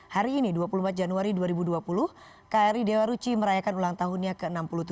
hari ini dua puluh empat januari dua ribu dua puluh kri dewa ruci merayakan ulang tahunnya ke enam puluh tujuh